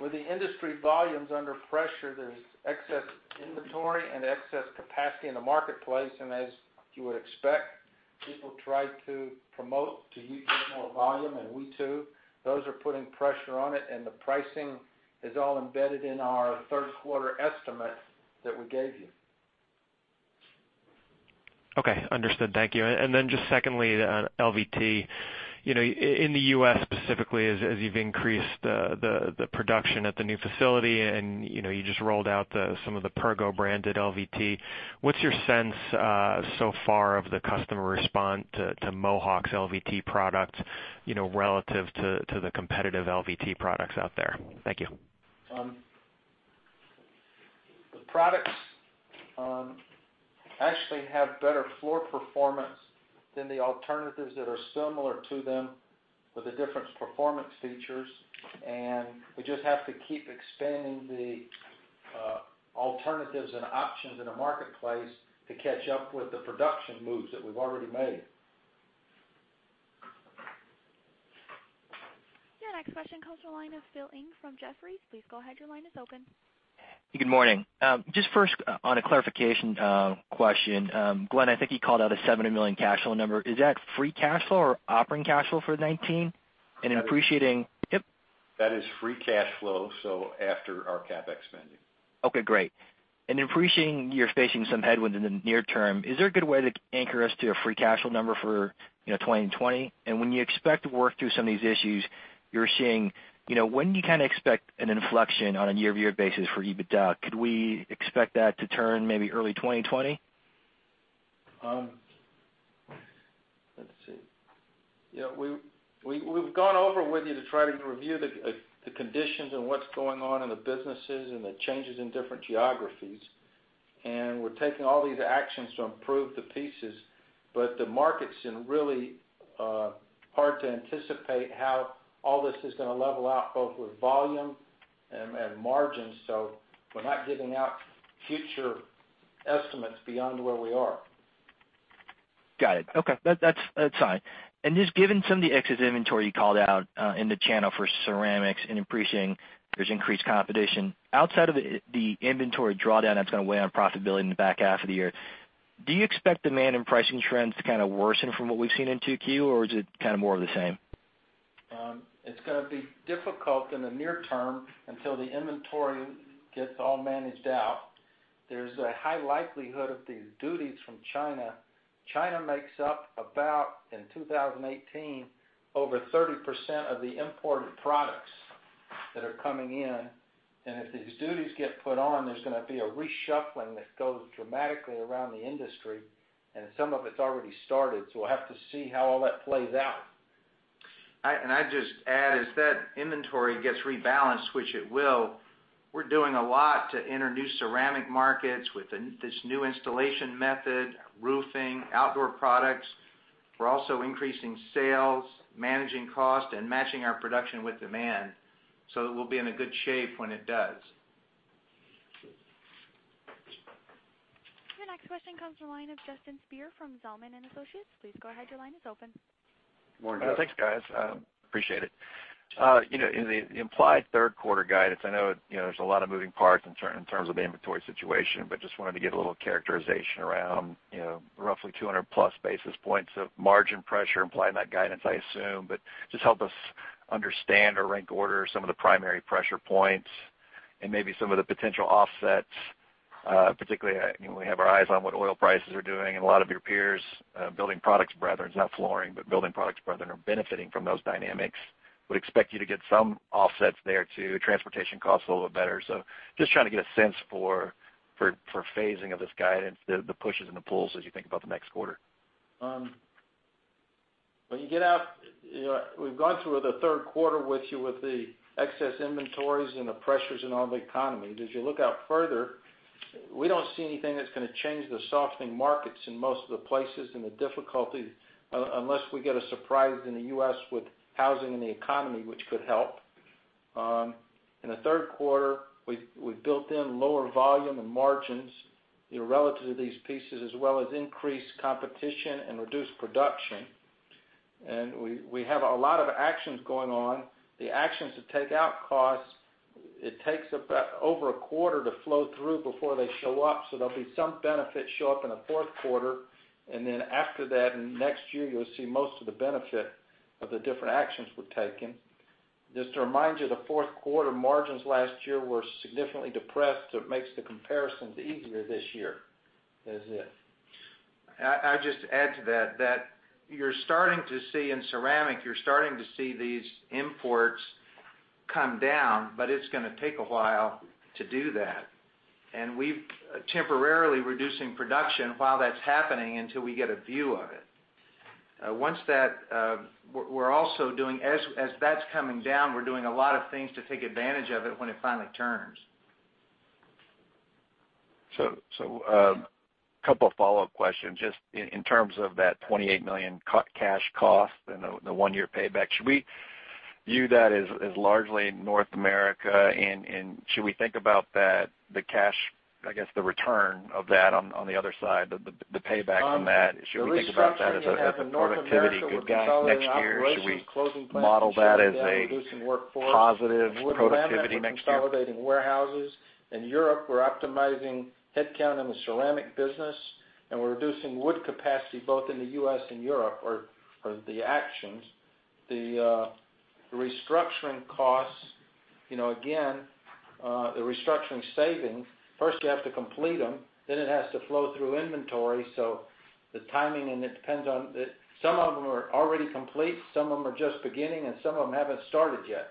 With the industry volumes under pressure, there's excess inventory and excess capacity in the marketplace. As you would expect, people try to promote to utilize more volume, and we too. Those are putting pressure on it, and the pricing is all embedded in our third quarter estimates that we gave you. Okay, understood. Thank you. Then just secondly, on LVT. In the U.S. specifically, as you've increased the production at the new facility and you just rolled out some of the Pergo branded LVT, what's your sense so far of the customer response to Mohawk's LVT product relative to the competitive LVT products out there? Thank you. The products actually have better floor performance than the alternatives that are similar to them with the different performance features. We just have to keep expanding the alternatives and options in the marketplace to catch up with the production moves that we've already made. Your next question comes from the line of Phil Ng from Jefferies. Please go ahead, your line is open. Good morning. Just first, on a clarification question. Glenn, I think you called out a $700 million cash flow number. Is that free cash flow or operating cash flow for 2019? That is free cash flow, so after our CapEx spending. Oka y, great. Appreciating you're facing some headwinds in the near-term, is there a good way to anchor us to a free cash flow number for 2020? When you expect to work through some of these issues you're seeing, when do you kind of expect an inflection on a year-over-year basis for EBITDA? Could we expect that to turn maybe early 2020? Let's see. We've gone over with you to try to review the conditions and what's going on in the businesses and the changes in different geographies, and we're taking all these actions to improve the pieces, but the market's been really hard to anticipate how all this is going to level out, both with volume and margins. We're not giving out future estimates beyond where we are. Got it. Okay. That's fine. Just given some of the excess inventory you called out in the channel for ceramics and appreciating there's increased competition, outside of the inventory drawdown that's going to weigh on profitability in the back half of the year, do you expect demand and pricing trends to kind of worsen from what we've seen in 2Q, or is it kind of more of the same? It's going to be difficult in the near term until the inventory gets all managed out. There's a high likelihood of these duties from China. China makes up about, in 2018, over 30% of the imported products that are coming in, and if these duties get put on, there's going to be a reshuffling that goes dramatically around the industry, and some of it's already started. We'll have to see how all that plays out. I'd just add, as that inventory gets rebalanced, which it will, we're doing a lot to enter new ceramic markets with this new installation method, roofing, outdoor products. We're also increasing sales, managing cost, and matching our production with demand so that we'll be in a good shape when it does. Your next question comes from the line of Justin Speer from Zelman & Associates. Please go ahead. Your line is open. Thanks, guys. Appreciate it. In the implied third quarter guidance, I know there's a lot of moving parts in terms of the inventory situation, just wanted to get a little characterization around roughly 200+ basis points of margin pressure implied in that guidance, I assume. Just help us understand or rank order some of the primary pressure points and maybe some of the potential offsets. Particularly, we have our eyes on what oil prices are doing, and a lot of your peers, building products brethren, not flooring, but building products brethren, are benefiting from those dynamics. Would expect you to get some offsets there, too. Transportation costs a little bit better. Just trying to get a sense for phasing of this guidance, the pushes and the pulls as you think about the next quarter. We've gone through the third quarter with you with the excess inventories and the pressures in all the economy. As you look out further, we don't see anything that's going to change the softening markets in most of the places and the difficulty, unless we get a surprise in the U.S. with housing and the economy, which could help. In the third quarter, we built in lower volume and margins relative to these pieces, as well as increased competition and reduced production. We have a lot of actions going on. The actions to take out costs, it takes about over a quarter to flow through before they show up. There'll be some benefit show up in the fourth quarter, and then after that, next year, you'll see most of the benefit of the different actions we're taking. Just to remind you, the fourth quarter margins last year were significantly depressed. It makes the comparisons easier this year. That is it. I'd just add to that you're starting to see in ceramic, you're starting to see these imports come down, but it's going to take a while to do that. We've temporarily reducing production while that's happening until we get a view of it. As that's coming down, we're doing a lot of things to take advantage of it when it finally turns. A couple follow-up questions, just in terms of that $28 million cash cost and the one-year payback. Should we view that as largely North America, and should we think about the cash, I guess, the return of that on the other side, the payback from that? Should we think about that as a productivity good guy next year? Should we model that as a positive productivity next year? The restructuring that happened in North America, we're consolidating operations, closing plants and shutting down, reducing workforce. In Latin America, we're consolidating warehouses. In Europe, we're optimizing headcount in the ceramic business, and we're reducing wood capacity both in the U.S. and Europe are the actions. The restructuring costs, again the restructuring savings, first you have to complete them, it has to flow through inventory. The timing, and it depends on, some of them are already complete, some of them are just beginning, and some of them haven't started yet.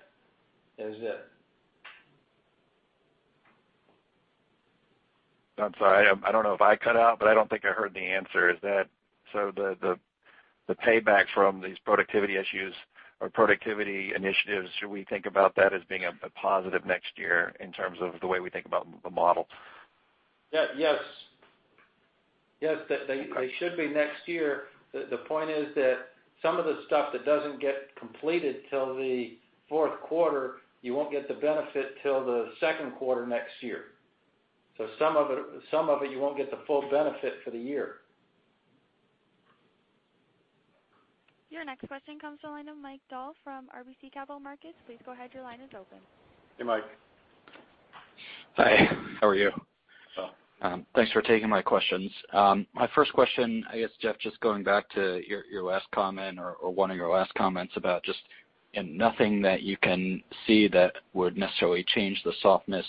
That is it. I'm sorry. I don't know if I cut out, but I don't think I heard the answer. The payback from these productivity issues or productivity initiatives, should we think about that as being a positive next year in terms of the way we think about the model? Yes. They should be next year. The point is that some of the stuff that doesn't get completed till the fourth quarter, you won't get the benefit till the second quarter next year. Some of it, you won't get the full benefit for the year. Your next question comes to the line of Mike Dahl from RBC Capital Markets. Please go ahead. Your line is open. Hey, Mike. Hi, how are you? Good. Thanks for taking my questions. My first question, I guess, Jeff, just going back to your last comment or one of your last comments about just nothing that you can see that would necessarily change the softness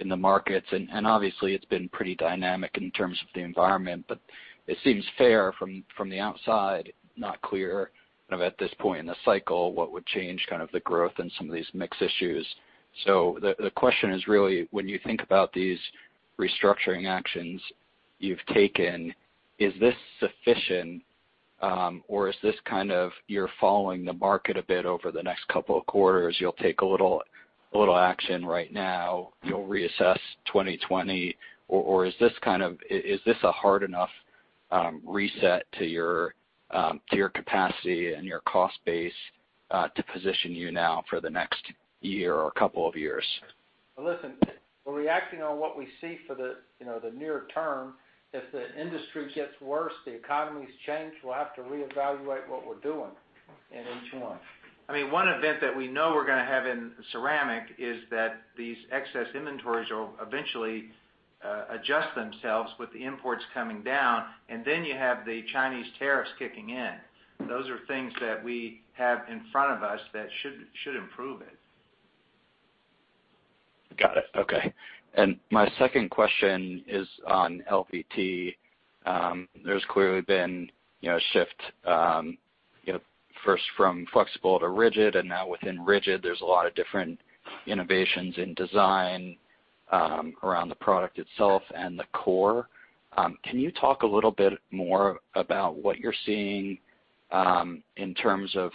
in the markets. Obviously, it's been pretty dynamic in terms of the environment, but it seems fair from the outside, not clear at this point in the cycle what would change kind of the growth in some of these mix issues. The question is really, when you think about these restructuring actions you've taken, is this sufficient? Is this kind of you're following the market a bit over the next couple of quarters, you'll take a little action right now, you'll reassess 2020? Is this a hard enough reset to your capacity and your cost base to position you now for the next year or couple of years? Listen, we're reacting on what we see for the near-term. If the industry gets worse, the economies change, we'll have to reevaluate what we're doing in H1. One event that we know we're going to have in ceramic is that these excess inventories will eventually adjust themselves with the imports coming down, and then you have the Chinese tariffs kicking in. Those are things that we have in front of us that should improve it. Got it. Okay. My second question is on LVT. There's clearly been a shift first from flexible to rigid, and now within rigid, there's a lot of different innovations in design around the product itself and the core. Can you talk a little bit more about what you're seeing in terms of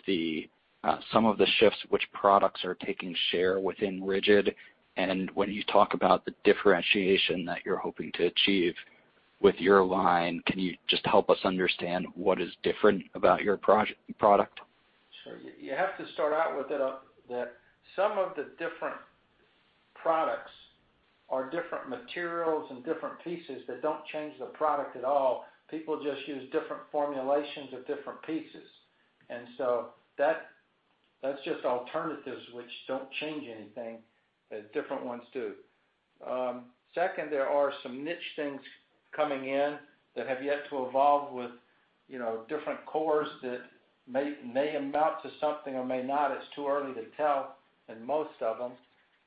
some of the shifts, which products are taking share within rigid? When you talk about the differentiation that you're hoping to achieve with your line, can you just help us understand what is different about your product? You have to start out with that some of the different products are different materials and different pieces that don't change the product at all. People just use different formulations of different pieces. That's just alternatives which don't change anything, that different ones do. Second, there are some niche things coming in that have yet to evolve with different cores that may amount to something or may not. It's too early to tell in most of them.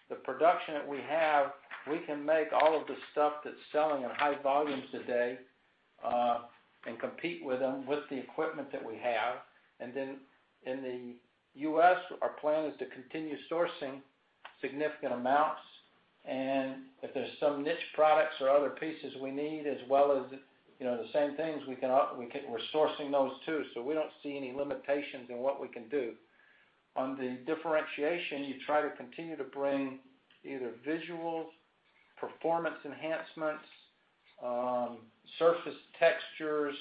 The production that we have, we can make all of the stuff that's selling in high volumes today, and compete with them with the equipment that we have. Then in the U.S., our plan is to continue sourcing significant amounts. If there's some niche products or other pieces we need, as well as the same things, we're sourcing those too. We don't see any limitations in what we can do. On the differentiation, you try to continue to bring either visuals, performance enhancements, surface textures,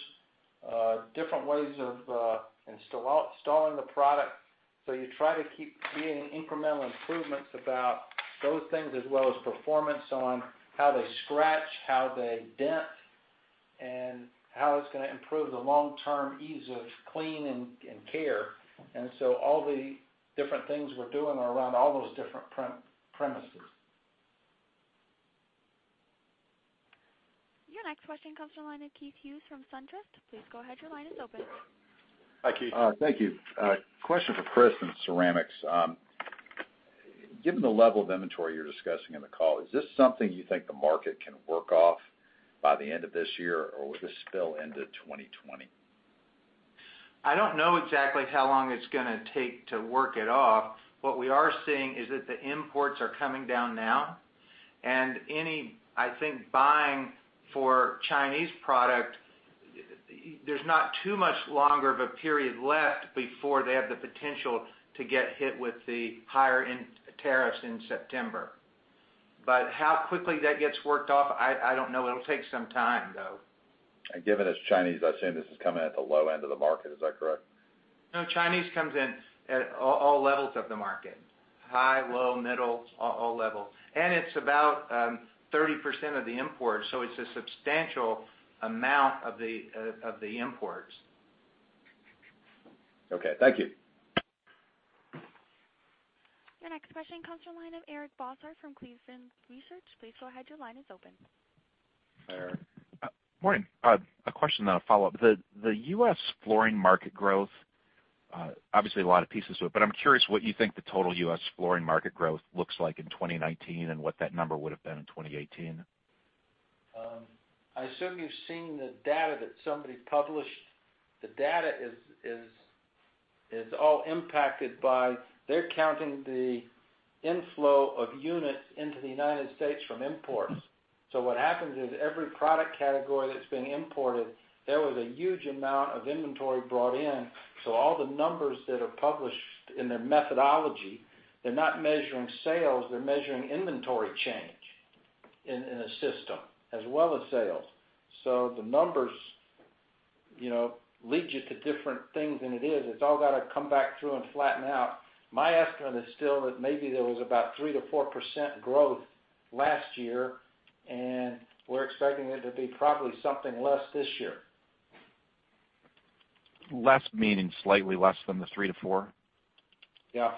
different ways of installing the product. You try to keep seeing incremental improvements about those things, as well as performance on how they scratch, how they dent, and how it's going to improve the long-term ease of clean and care. All the different things we're doing are around all those different premises. Your next question comes from the line of Keith Hughes from SunTrust. Please go ahead, your line is open. Hi, Keith. Thank you. Question for Chris on ceramics. Given the level of inventory you're discussing in the call, is this something you think the market can work off by the end of this year, or will this spill into 2020? I don't know exactly how long it's going to take to work it off. What we are seeing is that the imports are coming down now. Any, I think, buying for Chinese product, there's not too much longer of a period left before they have the potential to get hit with the higher tariffs in September. How quickly that gets worked off, I don't know. It'll take some time, though. Given it's Chinese, I assume this is coming at the low end of the market. Is that correct? No, Chinese comes in at all levels of the market. High, low, middle, all levels. It's about 30% of the imports, so it's a substantial amount of the imports. Okay. Thank you. Your next question comes from the line of Eric Bosshard from Cleveland Research. Please go ahead, your line is open. Eric. Morning. A question, then a follow-up. The U.S. flooring market growth, obviously a lot of pieces to it, but I'm curious what you think the total U.S. flooring market growth looks like in 2019 and what that number would've been in 2018. I assume you've seen the data that somebody published. The data is all impacted, they're counting the inflow of units into the U.S. from imports. What happens is, every product category that's being imported, there was a huge amount of inventory brought in. All the numbers that are published in their methodology, they're not measuring sales, they're measuring inventory change in the system, as well as sales. The numbers lead you to different things than it is. It's all got to come back through and flatten out. My estimate is still that maybe there was about 3%-4% growth last year, and we're expecting it to be probably something less this year. Less meaning slightly less than the 3%-4%? Yeah.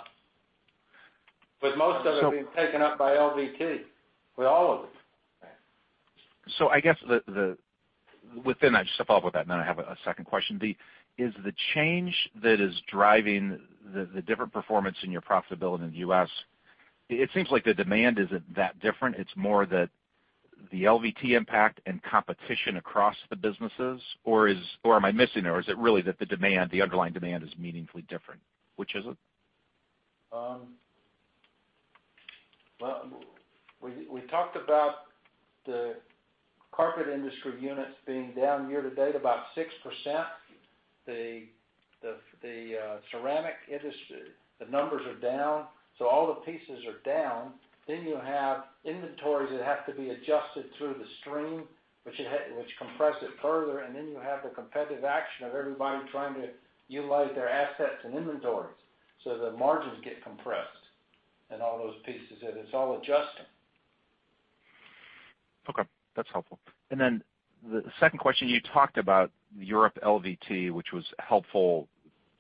With most of it being taken up by LVT. With all of it. I guess within that, just to follow-up with that, and then I have a second question. Is the change that is driving the different performance in your profitability in the U.S., it seems like the demand isn't that different, it's more that the LVT impact and competition across the businesses, or am I missing, or is it really that the underlying demand is meaningfully different? Which is it? Well, we talked about the carpet industry units being down year-to-date about 6%. The ceramic industry, the numbers are down. All the pieces are down. You have inventories that have to be adjusted through the stream, which compress it further, You have the competitive action of everybody trying to utilize their assets and inventories. The margins get compressed and all those pieces, It's all adjusting. Okay. That's helpful. The second question, you talked about Europe LVT, which was helpful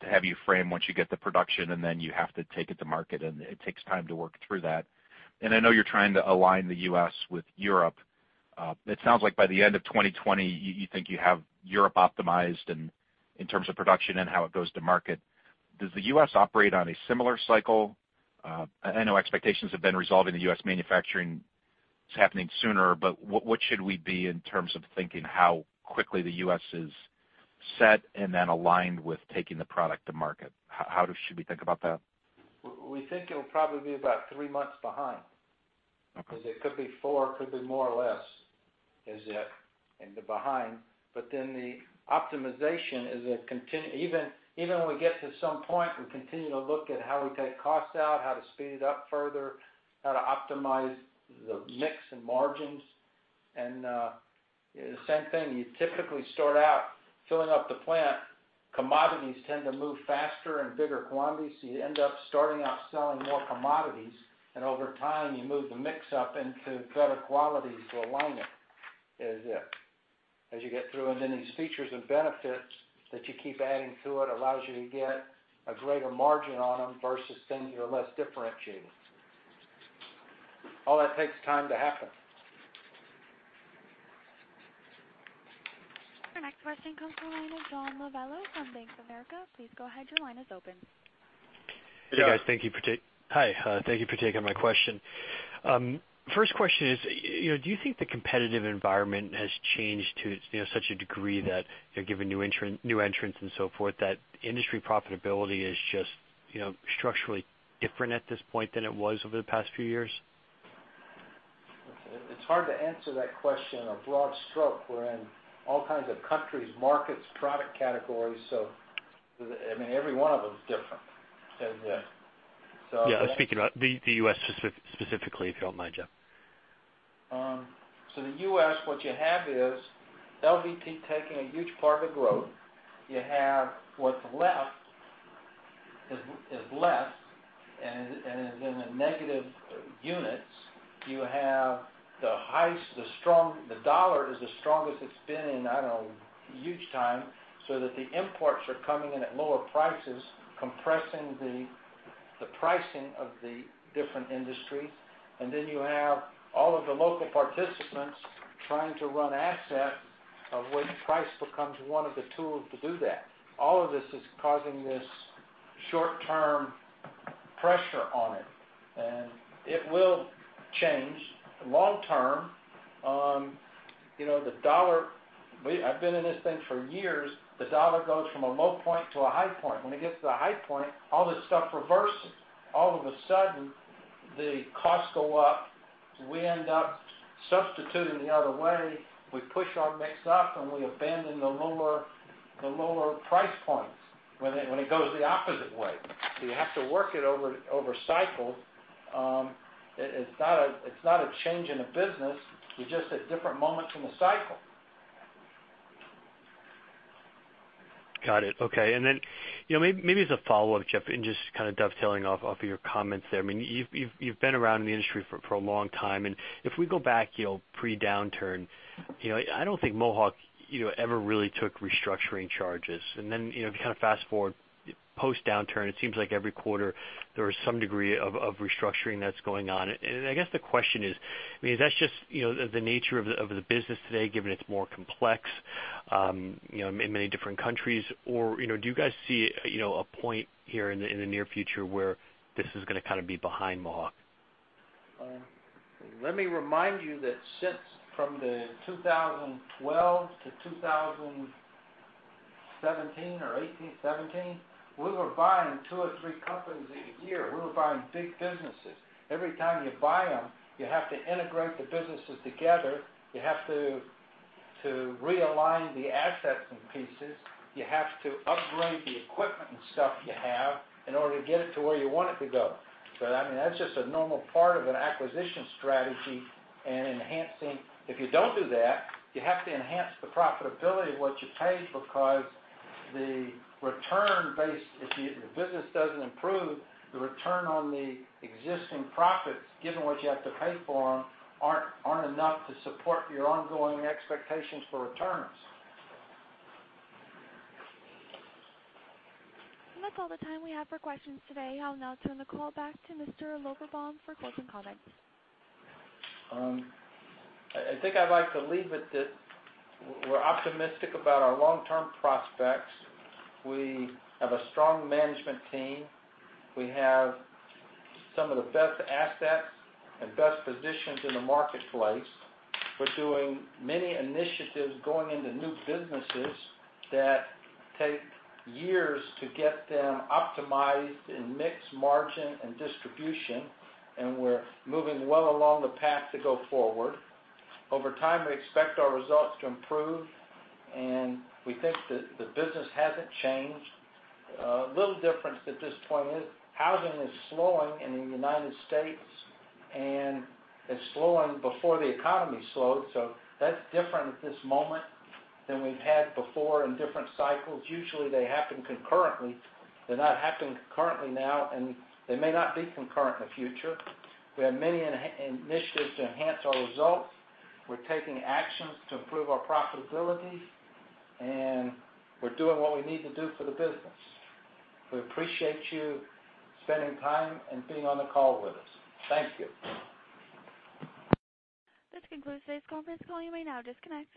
to have you frame once you get the production and then you have to take it to market, and it takes time to work through that. I know you're trying to align the U.S. with Europe. It sounds like by the end of 2020, you think you have Europe optimized in terms of production and how it goes to market. Does the U.S. operate on a similar cycle? I know expectations have been resolved in the U.S. manufacturing is happening sooner, but what should we be in terms of thinking how quickly the U.S. is set and then aligned with taking the product to market? How should we think about that? We think it'll probably be about three months behind. Okay. It could be four, could be more or less, is it in the behind. The optimization is a continue Even when we get to some point, we continue to look at how we take costs out, how to speed it up further, how to optimize the mix and margins. The same thing, you typically start out filling up the plant. Commodities tend to move faster in bigger quantities, so you end up starting out selling more commodities, and over time, you move the mix up into better qualities to align it as you get through. These features and benefits that you keep adding to it allows you to get a greater margin on them versus things that are less differentiated. All that takes time to happen. Our next question comes from the line of John Lovallo from Bank of America. Please go ahead, your line is open. John. Hi, thank you for taking my question. First question is, do you think the competitive environment has changed to such a degree that given new entrants and so forth, that industry profitability is just structurally different at this point than it was over the past few years? It's hard to answer that question, a broad stroke. We're in all kinds of countries, markets, product categories. Every one of them is different. Yeah, I was thinking about the U.S. specifically, if you don't mind, Jeff. The U.S., what you have is LVT taking a huge part of the growth. You have what's left is less, and is in the negative units. You have the dollar is the strongest it's been in, I don't know, huge time, so that the imports are coming in at lower prices, compressing the pricing of the different industry. You have all of the local participants trying to run asset, of which price becomes one of the tools to do that. All of this is causing this short-term pressure on it, and it will change long-term. I've been in this thing for years. The dollar goes from a low point to a high point. When it gets to the high point, all this stuff reverses. All of a sudden, the costs go up. We end up substituting the other way. We push our mix up, and we abandon the lower price points when it goes the opposite way. You have to work it over cycle. It's not a change in the business. We're just at different moments in the cycle. Got it. Okay. Maybe as a follow-up, Jeff, and just kind of dovetailing off of your comments there. You've been around in the industry for a long time, and if we go back pre-downturn, I don't think Mohawk ever really took restructuring charges. If you kind of fast-forward post-downturn, it seems like every quarter there is some degree of restructuring that's going on. I guess the question is, that's just the nature of the business today, given it's more complex, in many different countries? Or, do you guys see a point here in the near future where this is going to kind of be behind Mohawk? Let me remind you that since from the 2012-2017 or 2018, 2017, we were buying two or three companies a year. We were buying big businesses. Every time you buy them, you have to integrate the businesses together. You have to realign the assets and pieces. You have to upgrade the equipment and stuff you have in order to get it to where you want it to go. That's just a normal part of an acquisition strategy and enhancing. If you don't do that, you have to enhance the profitability of what you paid because if the business doesn't improve, the return on the existing profits, given what you have to pay for them, aren't enough to support your ongoing expectations for returns. That's all the time we have for questions today. I'll now turn the call back to Mr. Lorberbaum for closing comments. I think I'd like to leave it that we're optimistic about our long-term prospects. We have a strong management team. We have some of the best assets and best positions in the marketplace. We're doing many initiatives going into new businesses that take years to get them optimized in mix, margin, and distribution, and we're moving well along the path to go forward. Over time, we expect our results to improve, and we think that the business hasn't changed. A little difference at this point is housing is slowing in the United States, and it's slowing before the economy slowed, so that's different at this moment than we've had before in different cycles. Usually, they happen concurrently. They're not happening concurrently now, and they may not be concurrent in the future. We have many initiatives to enhance our results. We're taking actions to improve our profitability, and we're doing what we need to do for the business. We appreciate you spending time and being on the call with us. Thank you. This concludes today's conference call. You may now disconnect.